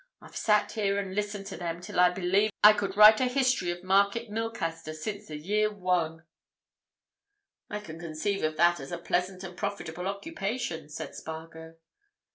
I've sat here and listened to them till I believe I could write a history of Market Milcaster since the year One." "I can conceive of that as a pleasant and profitable occupation," said Spargo.